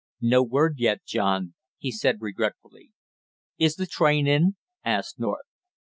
"No word yet, John," he said regretfully. "Is the train in?" asked North.